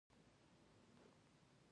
خوب د سړي غوسه کمه کړي